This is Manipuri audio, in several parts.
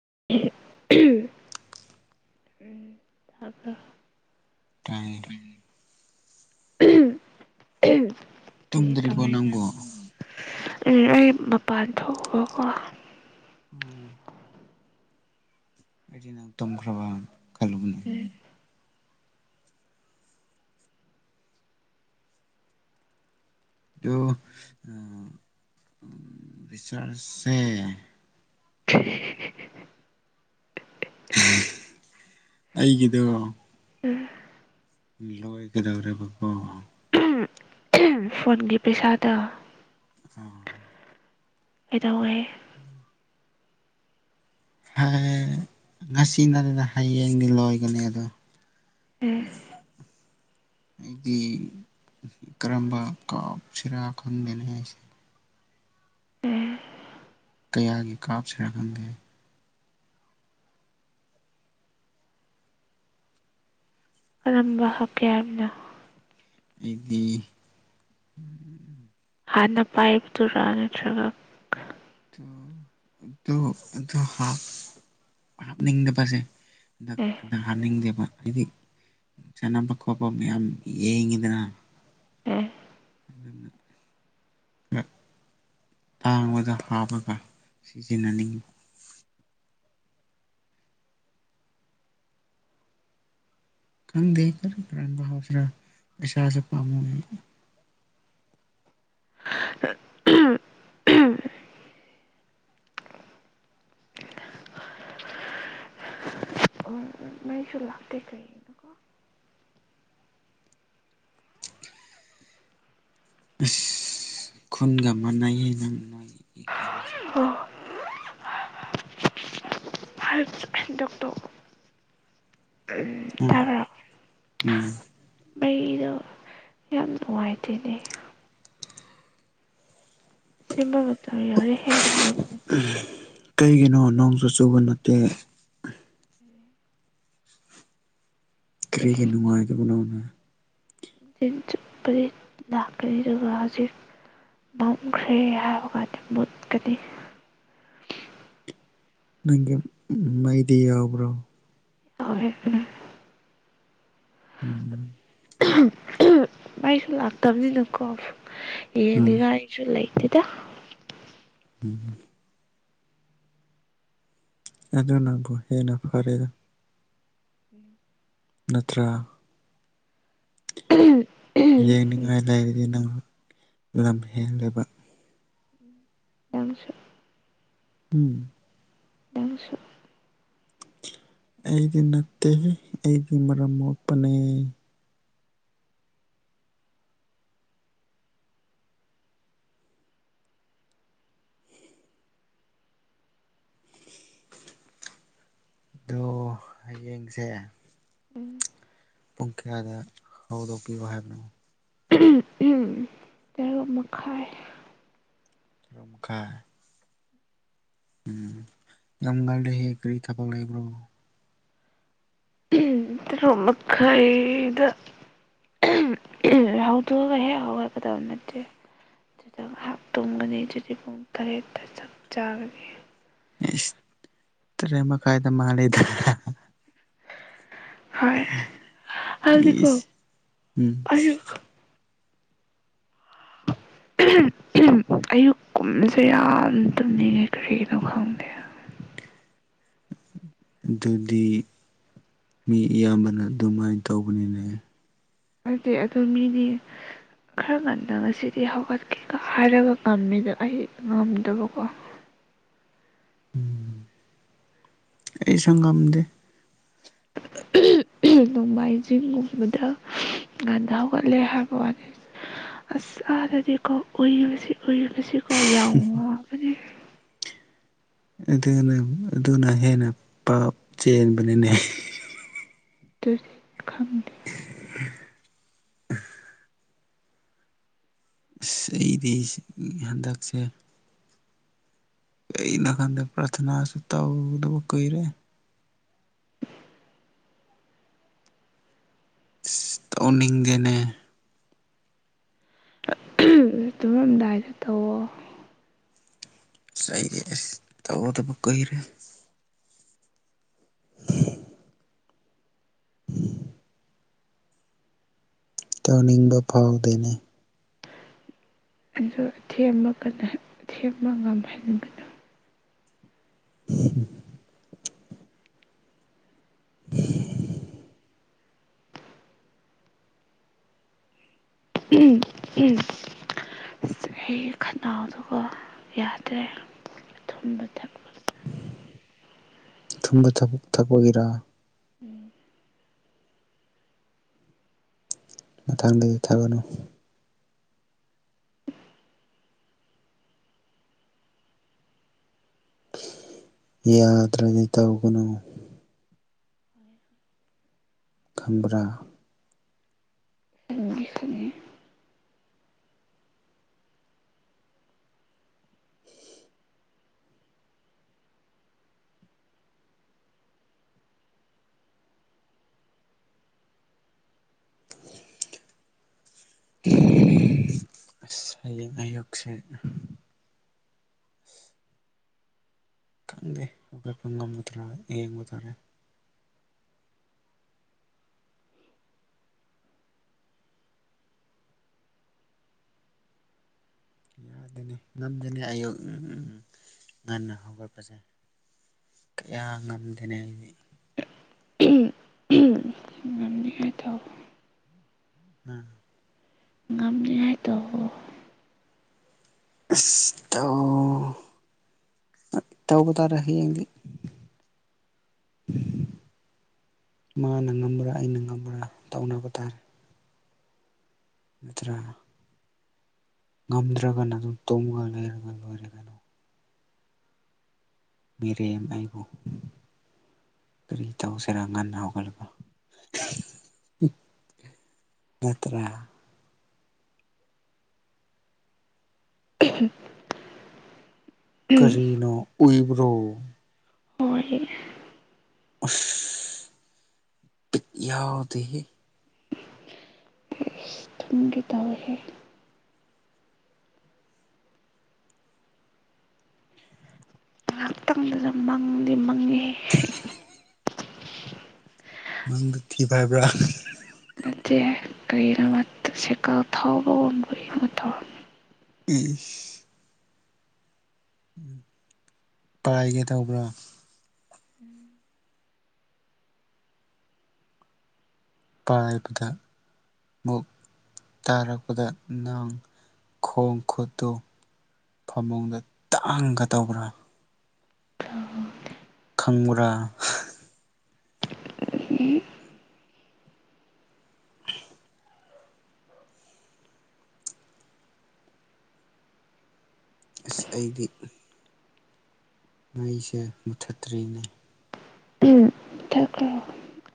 ꯎ ꯇꯔꯤ ꯎꯝ ꯇꯨꯝꯗ꯭ꯔꯤꯕꯣ ꯅꯪꯉꯣ ꯂꯩ ꯃꯄꯥꯟ ꯊꯣꯛ ꯎꯝ ꯑꯩꯗꯤ ꯅꯪ ꯇꯨꯝꯈ꯭ꯔꯕ ꯀꯂꯨꯕꯅꯦ ꯎꯝ ꯑꯗꯨꯣ ꯔꯤꯆꯥꯔꯖꯦ ꯊ ꯑꯩꯒꯤꯗꯣ ꯎꯝ ꯂꯣꯏꯒꯗꯧꯔꯦ ꯕꯕꯣ ꯐꯣꯟꯣꯟꯒꯤ ꯄꯩꯁꯥꯗ ꯑꯣ ꯑꯦ ꯇꯧꯋꯦ ꯎꯝ ꯍꯥꯏ ꯉꯁꯤꯅꯠꯇꯗ ꯍꯌꯦꯡꯗꯤ ꯂꯣꯏꯒꯅꯤ ꯑꯗꯣ ꯎꯝ ꯑꯩꯗꯤ ꯀꯔꯝꯕ ꯞ ꯁꯤꯔꯥ ꯈꯪꯗꯦꯅꯤ ꯍꯥꯏꯁꯦ ꯎꯝ ꯀꯌꯥꯒꯤ ꯀꯥꯞꯁꯤꯔ ꯈꯪꯗꯦ ꯑꯔꯟꯕ ꯍꯥꯞꯀꯦ ꯍꯥꯏꯕꯗꯣ ꯑꯗꯨꯗꯤ ꯍꯥꯟꯅ ꯄꯥꯏꯕꯗꯨꯔꯥ ꯅꯠꯇ꯭ꯔꯒ ꯑꯗꯨ ꯑꯗꯨ ꯑꯗꯨ ꯍꯥꯞ ꯍꯥꯞꯅꯤꯡꯗ ꯄꯥꯁꯦ ꯍꯟꯗꯛ ꯑꯦ ꯍꯟꯗꯛ ꯍꯥꯞꯅꯤꯡꯗꯦꯕ ꯗꯤ ꯆꯟꯅꯝ ꯄꯀꯄ ꯃꯌꯥꯝꯌꯥꯝ ꯌꯦꯡꯉꯤꯗꯅ ꯎꯝ ꯑꯗꯨꯅ ꯈꯔ ꯇꯥꯡꯕꯗ ꯍꯥꯞꯄꯒ ꯁꯤꯖꯤꯟꯅꯅꯤꯡꯉꯤ ꯈꯪꯗꯦ ꯑꯔꯟꯕ ꯍꯥꯞꯁꯤꯔ ꯄꯩꯁꯥꯁꯦ ꯄꯥꯃꯨꯔꯦ ꯎꯝ ꯃꯩꯁꯨ ꯂꯥꯛꯇꯦ ꯀꯩꯒꯤꯅꯣ ꯑꯁ ꯈꯨꯟꯒ ꯃꯥꯟꯅꯩꯌꯦ ꯅꯪ ꯅꯣꯏꯒꯤ ꯀꯩꯅꯣꯁꯦ ꯑꯣ ꯍꯟꯗꯛꯇꯣ ꯎꯝ ꯑꯝ ꯇꯥꯕ꯭ꯔꯣ ꯎꯝ ꯃꯩꯗꯣ ꯌꯥꯝ ꯅꯨꯡꯉꯥꯏꯇꯦꯅꯦ ꯁꯦꯝꯕ ꯃꯇꯝ ꯌꯧꯔꯦꯍꯦ ꯑꯩꯕꯨ ꯀꯩꯒꯤꯅꯣ ꯅꯣꯡꯁꯨ ꯆꯨꯕ ꯅꯠꯇꯦ ꯀꯔꯤꯒꯤ ꯅꯨꯡꯉꯥꯏꯗꯕꯅꯣꯅꯦ ꯇꯤꯟ ꯆꯨꯞꯄꯗꯤ ꯂꯥꯛꯀꯅꯤ ꯑꯗꯨꯒ ꯍꯧꯖꯤꯛ ꯃꯨꯠꯈ꯭ꯔꯦ ꯍꯥꯏꯕ ꯀꯥꯟꯗ ꯃꯨꯠꯀꯅꯤ ꯅꯪꯒꯤ ꯃꯩꯗꯤ ꯌꯥꯎꯕ꯭ꯔꯣ ꯌꯥꯎꯋꯦ ꯐꯩꯅꯥꯝ ꯎꯝ ꯃꯩꯁꯨ ꯂꯥꯛꯇꯕꯅꯤꯅꯀꯣ ꯎꯝ ꯌꯦꯡꯅꯤꯡꯉꯥꯏꯁꯨ ꯂꯩ ꯇꯦꯗ ꯎꯝ ꯑꯗꯨꯅꯕꯨ ꯍꯦꯟꯅ ꯐꯔꯦꯗ ꯅꯠꯇ꯭ꯔꯥ ꯌꯦꯡꯅꯤꯡꯉꯥꯏ ꯂꯩꯕꯗꯤ ꯅꯪ ꯂꯝ ꯍꯦꯜꯂꯕ ꯥꯅꯪꯁꯨ ꯎꯝ ꯑꯩꯗꯤ ꯅꯠꯇꯦ ꯑꯩꯗꯤ ꯃꯔꯝ ꯃꯣꯛꯄꯅꯦ ꯑꯗꯣ ꯍꯌꯦꯡꯁꯦ ꯎꯝ ꯄꯨꯡ ꯀꯌꯥꯗ ꯍꯧꯗꯣꯛꯄꯤꯌꯣ ꯍꯥꯏꯕꯅꯣ ꯎꯝ ꯇꯔꯨꯛ ꯃꯈꯥꯏ ꯇꯔꯨꯛ ꯃꯈꯥꯏ ꯎꯝ ꯌꯥꯝ ꯉꯜꯂꯤꯍꯦ ꯀꯔꯤ ꯊꯕꯛ ꯂꯩꯕ꯭ꯔꯣ ꯇꯔꯨꯛ ꯃꯈꯥꯏꯗ ꯍꯧꯗꯣꯛꯑꯒ ꯍꯦꯛ ꯍꯧꯒꯠꯀꯗꯕ ꯅꯠꯇꯦ ꯇꯨꯝꯒꯅꯤ ꯑꯗꯨꯗꯤ ꯄꯨꯡ ꯇꯔꯦꯠꯇ ꯆꯞ ꯆꯥꯒꯅꯤ ꯏꯁ ꯇꯔꯦꯠ ꯃꯈꯥꯏꯗ ꯃꯥꯜꯂꯦꯗ ꯍꯥꯏ ꯑꯗꯨꯗꯤꯀꯣ ꯏꯁ ꯎꯝ ꯑꯌꯨꯛ ꯑꯌꯨꯛ ꯀꯨꯝꯕꯁꯦ ꯌꯥꯝ ꯇꯨꯝꯅꯤꯡꯉꯦ ꯀꯔꯤꯒꯤꯅꯣ ꯈꯪꯗꯦ ꯑꯗꯨꯗꯤ ꯃꯤ ꯑꯌꯥꯝꯕꯅ ꯑꯗꯨꯃꯥꯏꯅ ꯇꯧꯕꯅꯤꯅꯦ ꯑꯗꯨꯗꯤ ꯑꯗꯨꯗ ꯃꯤꯗꯤ ꯈꯔ ꯉꯟꯅ ꯉꯁꯤꯗꯤ ꯍꯧꯒꯠꯀꯦꯒ ꯍꯥꯏꯔꯒ ꯉꯝꯃꯦꯗ ꯑꯩ ꯉꯝꯗꯕꯀꯣ ꯑꯩ ꯁꯒ ꯑꯃꯗꯤ ꯅꯣꯡꯃꯥꯏꯖꯤꯡꯒꯨꯝꯕꯗ ꯉꯟꯊ ꯍꯧꯒꯠꯂꯦ ꯍꯥꯏꯕ ꯋꯥꯅꯤ ꯑꯁ ꯑꯥꯗꯗꯤꯀꯣ ꯎꯨꯏꯔꯤꯕꯕꯁꯤ ꯀꯨꯏ ꯉꯁꯤꯀꯣ ꯌꯥꯝꯎꯕꯅꯤ ꯑꯗꯨꯅ ꯑꯗꯨꯅ ꯍꯦꯟꯅ ꯄꯞ ꯆꯦꯟꯕꯅꯤꯅꯦ ꯑꯗꯨ ꯈꯪꯗ [inaudible] ꯑꯁ ꯑꯩꯗꯤ ꯍꯟꯗꯛꯁꯦ ꯀ ꯅ ꯈꯗ ꯄꯔꯊꯅꯥꯁꯨ ꯇꯗꯕ ꯀꯣꯏꯔꯦ ꯅꯤꯡꯗꯦꯅꯦ ꯑꯗꯨꯃꯝꯗꯥꯏꯗ ꯇꯧꯑꯣꯣ ꯁꯗꯕꯨꯀꯔꯦ [inaudible] [inaudible] [inaudible] ꯇꯧꯅꯤꯡꯕ ꯐꯥꯎꯗꯦꯅꯤ ꯑꯗꯨꯗ ꯑꯊꯦꯝ ꯑꯃ ꯑꯊꯦꯝ ꯑꯃ ꯉꯝꯍꯟꯒꯅꯨ [unintelligible] [unintelligible] [unintelligible] ꯎꯝ ꯎꯝ ꯑꯩꯒꯤ ꯈꯅꯥꯎꯗꯨꯒꯣ ꯌꯥꯗ꯭ꯔꯦ ꯑꯊꯨꯝꯕ ꯊꯛꯄꯗ ꯊꯨꯝꯕ ꯊꯛꯄ ꯊꯛꯄꯒꯤꯔꯥ ꯎꯝ ꯃꯊꯥꯡꯗꯤ ꯊꯛꯒꯅꯨ ꯌꯥꯗ꯭ꯔꯗꯤ ꯇꯧꯒꯅꯨ ꯈꯪꯕꯔ ꯈꯪꯗꯤ ꯈꯪꯉꯦ ꯑꯁ ꯍꯌꯦꯡ ꯑꯌꯨꯛꯁꯦ ꯈꯪꯗꯦ ꯑꯩꯈꯣꯏꯄ [unintelligible] ꯉꯝꯃꯗ꯭ꯔꯥ ꯑꯦꯡꯕ ꯇꯥꯔꯦ ꯌꯥꯗꯦꯅꯦ ꯉꯝꯗꯦꯅꯦ ꯑꯌꯨꯛ ꯉꯟꯅ ꯍꯧꯒꯠꯄꯁꯦ ꯀꯌꯥ ꯉꯝꯗꯦꯅꯦ ꯑꯩꯗꯤ ꯇ [unintelligible] ꯎꯝ ꯉꯝꯅꯤꯍꯥꯏꯗꯣ ꯑꯁ ꯇꯧꯇꯧꯕ ꯇꯥꯔꯦ ꯍꯌꯦꯡꯗꯤ ꯃꯥꯅ ꯉꯝꯕ꯭ꯔꯥ ꯑꯩꯅ ꯉꯝꯕ꯭ꯔꯥ ꯇꯧꯅꯕ ꯇꯥꯔꯦ ꯅꯠꯇ꯭ꯔꯥ ꯉꯝꯗ꯭ꯔꯒꯅ ꯑꯗꯨꯝ ꯇꯨꯝꯒ ꯂꯩꯔꯒ ꯂꯣꯏꯔꯦ ꯃꯤꯔꯦꯝ ꯑꯩꯕꯨ ꯀꯔꯤ ꯇꯧꯁꯤꯔꯥ ꯉꯟꯅ ꯍꯧꯒꯠꯂꯒ ꯅꯠꯇ꯭ꯔꯥ [inaudible] [unintelligible] ꯀꯔꯤꯅꯣ ꯎꯏꯕꯔꯣ ꯍꯣꯏ ꯎꯁ ꯕꯤꯇ ꯌꯥꯎꯗꯦꯍꯦ ꯇꯨꯝꯒꯦ ꯍꯧꯋꯦꯍꯦ ꯉꯥꯏꯍꯥꯛꯇꯪꯗꯨꯗꯥ ꯃꯪꯗꯤ ꯃꯪꯉꯦꯍꯦ [unintelligible] [unintelligible] ꯃꯗ ꯊ ꯍꯥꯏꯕ꯭ꯔꯥ [unintelligible] ꯀꯔꯤꯔꯥ ꯁꯥꯏꯀꯜ ꯊꯥꯎꯕꯒꯨꯝ ꯀꯔꯤꯒꯨꯨꯝ ꯇꯧꯔꯝꯃꯦ ꯏꯤꯁ ꯄꯥꯏꯒꯦ ꯇꯧꯕꯔ ꯄꯥꯏꯕꯗ ꯃꯨꯛ ꯇꯥꯔꯛꯄꯗ ꯅꯪ ꯈꯣꯡ ꯈꯨꯠꯇꯨ ꯐꯃꯨꯡꯗ ꯇꯥꯡꯒꯗꯧꯕ꯭ꯔꯥ ꯈꯪꯕꯔ ꯇꯧꯔꯝꯕꯅꯤ ꯑꯁ ꯑꯩꯗꯤ ꯃꯩꯁꯦ ꯃꯨꯊꯠꯇ꯭ꯔꯤꯅꯦ ꯎꯝ ꯊ [unintelligible]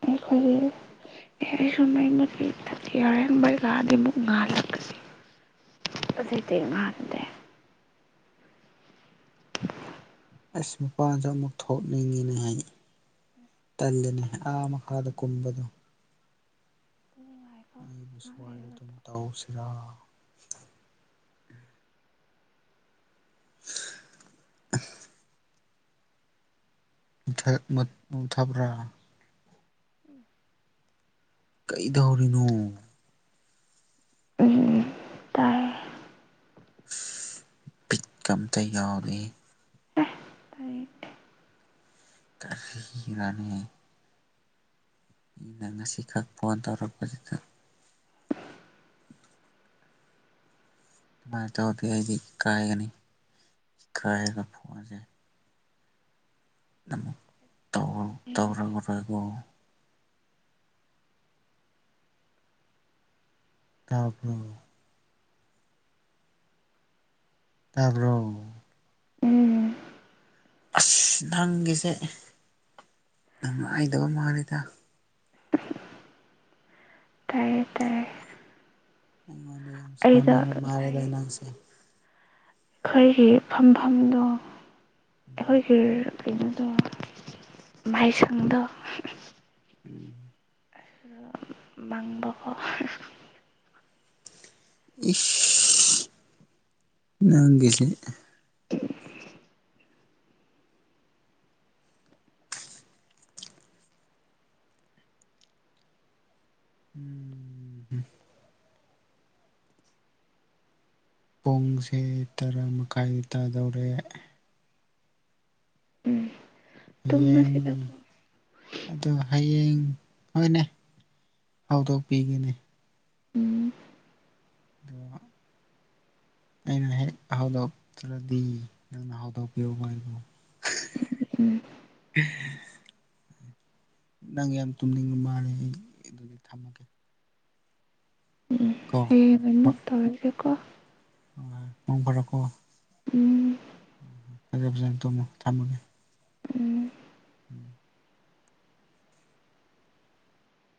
ꯌꯥꯔꯦ ꯃꯩ ꯂꯥꯛꯑꯗꯤ ꯑꯃꯨꯛ ꯉꯥꯜꯂꯛꯄꯁꯤ ꯃꯥꯥꯟꯗꯦ ꯑꯁ ꯃꯄꯥꯟꯗ ꯑꯃꯨꯛ ꯊꯣꯛꯅꯤꯡꯉꯤꯅꯦ ꯍꯥꯏ ꯇꯜꯜꯂꯤꯅꯦ ꯑꯥ ꯃꯈꯥꯗ ꯀꯨꯝꯕꯗꯣ ꯉꯥꯏꯈꯣ ꯑꯩꯕꯨ ꯉꯥꯏꯍꯥꯛ ꯁ꯭ꯋꯥꯏꯗ ꯂꯩꯔꯒ ꯑꯗꯨꯝ ꯇꯧꯁꯤꯔꯥ [inaudible] ꯃ ꯃ ꯊꯥꯕ꯭ꯔꯥ ꯎꯝ ꯀꯩꯗꯧꯔꯤꯅꯣ ꯎꯝ ꯇꯥꯏ ꯕꯤꯠ ꯀꯝꯇ ꯌꯥꯎꯔꯤ ꯑꯦ ꯇꯥꯏ ꯀꯔꯤꯔꯥꯅꯦ ꯑꯩꯅ ꯉꯁꯤꯈꯛ ꯐꯣꯟ ꯇꯧꯔꯛꯄꯗꯨꯗ ꯑꯗꯨꯃꯥꯏꯅ ꯇꯧꯗꯤ ꯑꯩꯗꯤ ꯀꯥꯏꯒꯅꯤ ꯀꯥꯏꯔꯒ ꯐꯣꯡꯁꯦ ꯇꯧꯔꯔꯣꯏꯒꯣ ꯇꯥꯄ ꯇꯥꯔꯕꯣ ꯎꯝ ꯑ ꯅꯪꯒꯤꯁꯦ ꯍꯥꯏꯗꯧꯕ ꯃꯥꯔꯤꯦꯗ ꯇꯔꯌꯦꯦ ꯇꯔꯦ ꯑꯩꯉꯣꯟꯗ ꯌꯥꯝ ꯁꯥꯎꯅꯤꯡꯕ ꯃꯥꯜꯂꯦꯗ ꯑꯉꯥꯡꯁꯦ ꯑꯩꯈꯣꯏꯒꯤ ꯐꯝꯐꯝꯗꯣ ꯑꯩꯣꯏ ꯀ ꯑꯩꯅꯣꯗꯣ ꯃꯍꯩꯁꯪꯗ ꯎꯝ ꯃꯥꯡꯕꯈ ꯅꯪꯒꯦꯁꯦ [inaudible] ꯎꯝ ꯄꯨꯡꯁꯦ ꯇꯔꯥ ꯃꯈꯥꯏ ꯇꯥꯗꯧꯔꯦ ꯎꯝ ꯍꯌꯦꯡ ꯇꯨꯝꯃꯁꯤꯗꯀꯣ ꯑꯣ ꯍꯌꯦꯡ ꯍꯣꯏꯅꯦ ꯍꯧꯗꯣꯛꯄꯤꯒꯅꯦ ꯎꯝ ꯑꯗꯣ ꯑꯩꯅ ꯍꯦꯛ ꯍꯧꯗꯣꯛꯇ꯭ꯔꯗꯤ ꯅꯪꯅ ꯍꯧꯗꯣꯛꯄꯤꯌꯨ ꯍꯥꯏꯕꯨ ꯎꯝ ꯅꯪ ꯌꯥꯝ ꯇꯨꯝꯅꯤꯡꯕ ꯃꯥꯂꯦ ꯑꯩ ꯑꯗꯨꯗꯤ ꯊꯝꯃꯒꯦ ꯎꯝ ꯀꯣ ꯍꯌꯦꯡ ꯍ ꯅꯨꯡ ꯇꯧꯔꯁꯦꯀꯣ ꯃꯣꯡ ꯐꯔꯛꯀ ꯎꯝ ꯐꯖꯦ ꯐꯖꯅ ꯇꯨꯝꯃꯣ ꯊꯝꯃꯒꯦ ꯎꯝ ꯎꯝ